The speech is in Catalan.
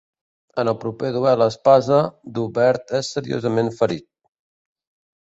En el proper duel a espasa, d'Hubert és seriosament ferit.